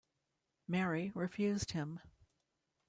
Mary refused him.